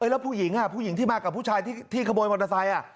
แล้วผู้หญิงผู้หญิงที่มากับผู้ชายที่ขโมยมอเตอร์ไซค์